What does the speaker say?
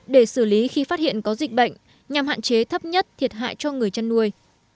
để xử lý khi phát hiện có dịch bệnh nhằm hạn chế thấp nhất thiệt hại cho người chăn nuôi